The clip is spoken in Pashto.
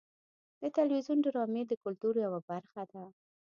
د تلویزیون ډرامې د کلتور یوه برخه ده.